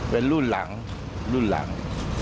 เป็นรุ่นหลังรุ่นหลัง